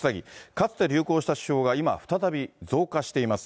かつて流行した手法が今、再び増加しています。